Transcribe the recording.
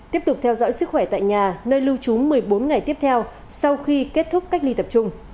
tiếp tục theo dõi sức khỏe tại nhà nơi lưu trú một mươi bốn ngày tiếp theo sau khi kết thúc cách ly tập trung